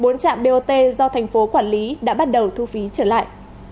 bốn trạm bot do tp hcm quản lý đã bắt đầu thu phí trở lại